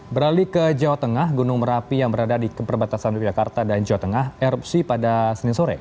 beralih ke jawa tengah gunung merapi yang berada di perbatasan yogyakarta dan jawa tengah erupsi pada senin sore